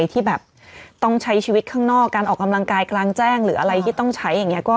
ที่แบบต้องใช้ชีวิตข้างนอก